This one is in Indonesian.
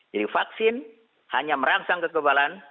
jadi vaksin hanya merangsang kekebalan